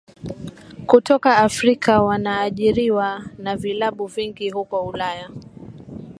kutoka Afrika wanaajiriwa na vilabu vingi huko Ulaya